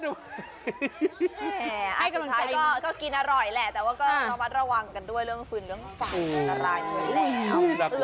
สุดท้ายก็กินอร่อยแหละแต่ว่าก็ต้องมาระวังกันด้วยเรื่องฝืนเรื่องฝันอะไรอย่างนี้แหละ